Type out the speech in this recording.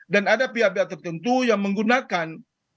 dan ada pihak pihak tertentu yang menggunakan